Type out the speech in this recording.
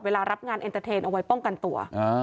รับงานเอ็นเตอร์เทนเอาไว้ป้องกันตัว